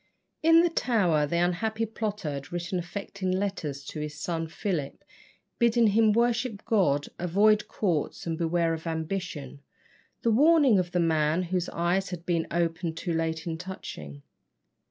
In the Tower the unhappy plotter had written affecting letters to his son Philip, bidding him worship God, avoid courts, and beware of ambition. The warning of the man whose eyes had been opened too late is touching.